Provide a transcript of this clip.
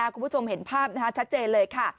คุณผู้ชมเห็นภาพชัดเจนเลยค่ะ